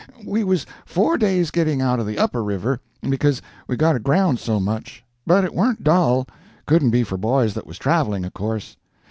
We was four days getting out of the "upper river," because we got aground so much. But it warn't dull—couldn't be for boys that was traveling, of course.